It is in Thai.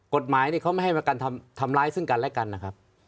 กฎหมายนี่เขาไม่ให้ประกันทำร้ายซึ่งกันและกันนะครับ